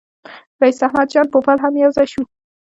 رییس احمد جان پوپل هم یو ځای شو.